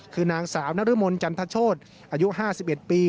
คือนางสาวนรมนจันทโชธอายุ๕๑ปี